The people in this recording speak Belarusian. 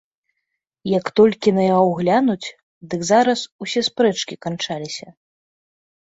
Як толькі на яго глянуць, дык зараз усе спрэчкі канчаліся.